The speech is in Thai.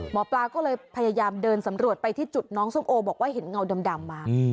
หมอปลาก็เลยพยายามเดินสำรวจไปที่จุดน้องส้มโอบอกว่าเห็นเงาดำมา